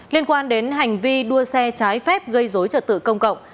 liên quan đến hành vi đua xe trái phép gây dối trật tự công cộng